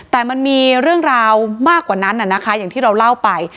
แต่มันมีเรื่องราวมากกว่านั้นนะคะอย่างที่เราเล่าไป